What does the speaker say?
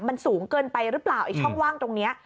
มันสูงเกินไปหรือเปล่าไอ้ช่องว่างตรงนี้